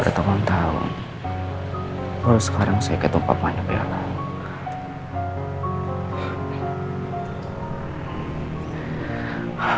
jangan lupa dikirim alamatnya